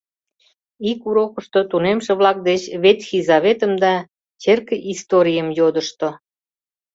Ик урокышто тунемше-влак деч «Ветхий заветым» да черке историйым йодышто.